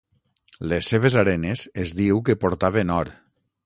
Les seves arenes es diu que portaven or.